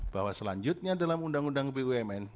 bahwa selanjutnya dalam undang undang bumn